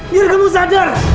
biar kamu sadar